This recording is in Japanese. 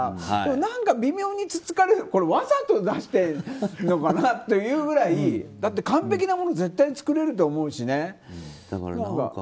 何か、微妙につつかれるわざと出してるのかなというくらいだって完璧なもの絶対作れると思うしね。